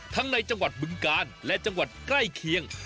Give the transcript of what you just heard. ในจังหวัดบึงกาลและจังหวัดใกล้เคียง